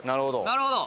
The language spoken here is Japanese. なるほど！